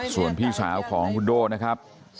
ส่วนพี่สาวของคุณโด่นะครับ